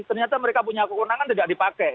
ternyata mereka punya kewenangan tidak dipakai